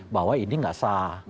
bahwa ini tidak sah